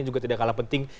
juga tidak kalah penting